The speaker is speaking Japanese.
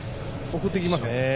送ってきますかね。